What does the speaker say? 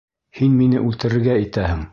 Һин мине үлтерергә итәһең!